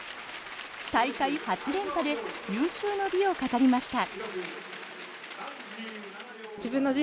大会８連覇で有終の美を飾りました。